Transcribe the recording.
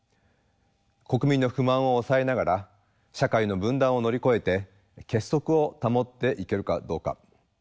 国民の不満を抑えながら社会の分断を乗り越えて結束を保っていけるかどうか。